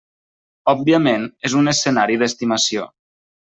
Òbviament és un escenari d'estimació.